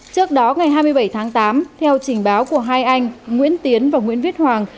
trước đó ngày hai mươi bảy tháng tám theo trình báo của hai anh nguyễn tiến và nguyễn viết hoàng